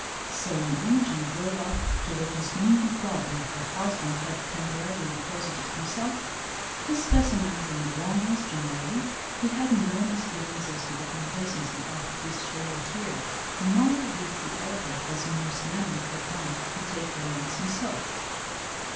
So when Imogen drove up to the Tasmanian Club, where her husband had temporarily deposited himself, his specimens and belongings generally, he had no misgivings as to the competency of his charioteer, nor did he offer, as most men would have done, to take the reins himself.